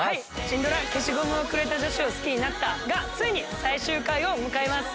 シンドラ『消しゴムをくれた女子を好きになった。』がついに最終回を迎えます。